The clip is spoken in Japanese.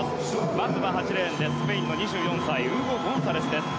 まずは８レーンスペインの２４歳ウーゴ・ゴンサレスです。